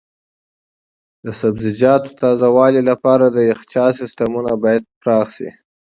د سبزیجاتو تازه والي لپاره د یخچال سیستمونه باید پراخ شي.